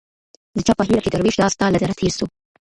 د چا په هيله چي دروېش دا ستا له دره تېر سو